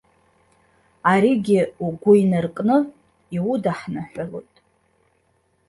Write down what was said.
Аригьы угәы инаркы, иудаҳныҳәалоит.